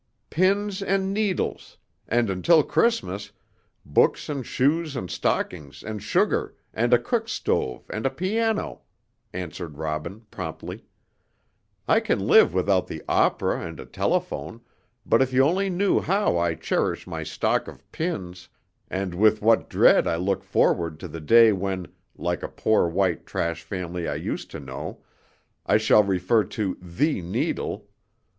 "Pins and needles, and until Christmas, books and shoes and stockings and sugar and a cook stove and a piano," answered Robin, promptly. "I can live without the opera and a telephone, but if you only knew how I cherish my stock of pins, and with what dread I look forward to the day when, like a poor white trash family I used to know, I shall refer to the needle.